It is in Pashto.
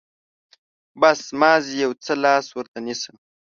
بس، مازې يو څه لاس ورته نيسه.